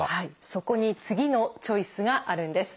そこに次のチョイスがあるんです。